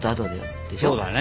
そうだね。